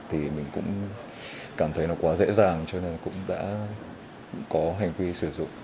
thì mình cũng cảm thấy nó quá dễ dàng cho nên cũng đã có hành vi sử dụng